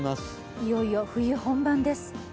いよいよ冬本番です。